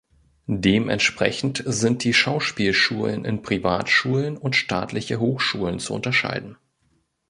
Dementsprechend sind die Schauspielschulen in Privatschulen und staatliche Hochschulen zu unterscheiden.